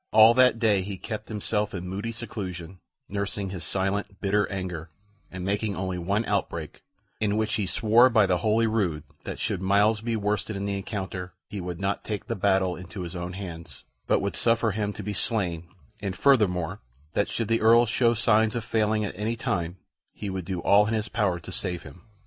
All that day he kept himself in moody seclusion, nursing his silent, bitter anger, and making only one outbreak, in which he swore by the Holy Rood that should Myles be worsted in the encounter, he would not take the battle into his own hands, but would suffer him to be slain, and furthermore, that should the Earl show signs of failing at any time, he would do all in his power to save him.